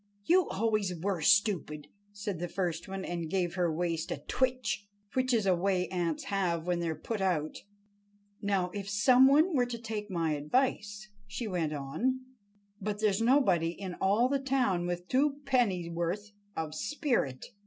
"You always were stupid," said the first one, and gave her waist a twitch—which is a way ants have when they are put out. "Now, if some one were to take my advice," she went on, "but there's nobody in all the town with two pennyworth of spirit.